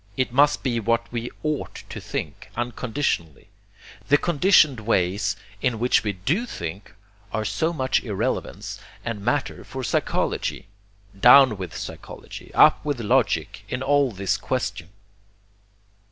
It must be what we OUGHT to think, unconditionally. The conditioned ways in which we DO think are so much irrelevance and matter for psychology. Down with psychology, up with logic, in all this question!